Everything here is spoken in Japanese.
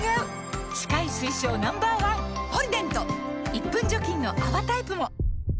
１分除菌の泡タイプも！